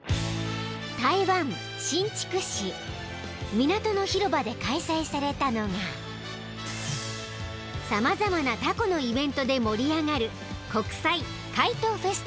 ［港の広場で開催されたのが様々なたこのイベントで盛り上がる］